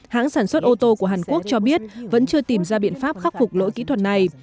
hãng sản xuất ô tô của hàn quốc cho biết vẫn chưa tìm ra biện pháp khắc phục lỗi kỹ thuật này